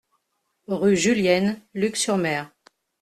Rue Julienne, Luc-sur-Mer